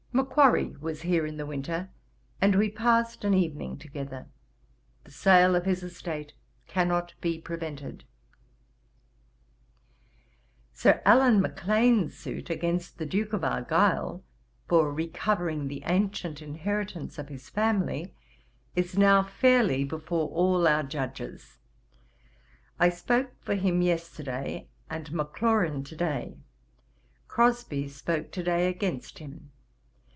'Macquarry was here in the winter, and we passed an evening together. The sale of his estate cannot be prevented. 'Sir Allan Maclean's suit against the Duke of Argyle, for recovering the ancient inheritance of his family, is now fairly before all our judges. I spoke for him yesterday, and Maclaurin to day; Crosbie spoke to day against him.